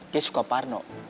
dia suka parno